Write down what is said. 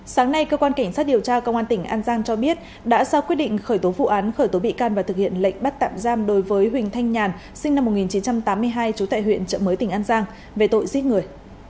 sáng nay cơ quan cảnh sát điều tra công an tỉnh an giang cho biết đã ra quyết định khởi tố vụ án khởi tố bị can và thực hiện lệnh bắt tạm giam đối với huỳnh thanh nhàn sinh năm một nghìn chín trăm tám mươi hai trú tại huyện trợ mới tỉnh an giang về tội giết người